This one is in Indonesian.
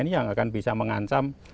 ini yang akan bisa mengancam